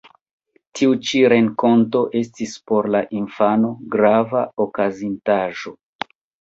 Tiu ĉi renkonto estis por la infano grava okazintaĵo.